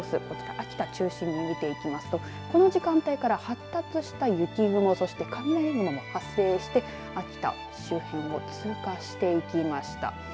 こちら、秋田中心に見ていきますとこの時間から発達した雪雲そして雷雲も発生して秋田周辺を通過していきました。